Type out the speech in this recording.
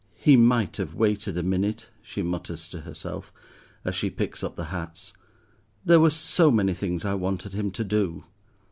"He might have waited a minute," she mutters to herself, as she picks up the hats, "there were so many things I wanted him to do."